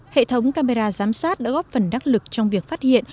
hệ thống camera giám sát đã góp phần đắc lực trong việc phát hiện